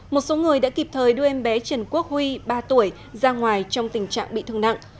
một số người đã kịp thời đưa em bé trần quốc huy ba tuổi ra ngoài trong tình trạng bị thương nặng